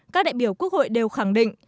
các đại biểu quốc hội đều khẳng định